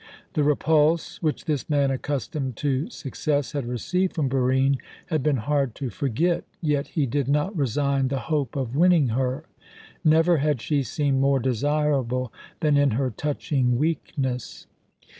The repulse which this man, accustomed to success, had received from Barine had been hard to forget, yet he did not resign the hope of winning her. Never had she seemed more desirable than in her touching weakness.